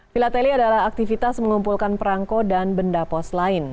vilateli adalah aktivitas mengumpulkan perangko dan benda pos lain